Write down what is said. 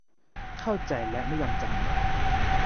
เข้าใจและไม่ยอมจำนน